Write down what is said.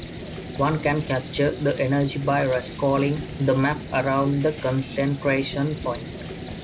One can capture the energy by rescaling the map around the concentration point.